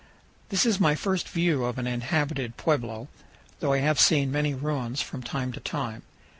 This is my first view of an inhabited pueblo, though I have seen many ruins from time to time.